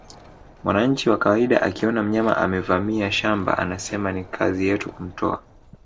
Mwananchi wa kawaida akiona mnyama amevamia shamba anasema ni kazi yetu kumtoa